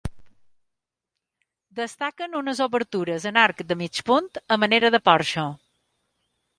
Destaquen unes obertures en arc de mig punt, a manera de porxo.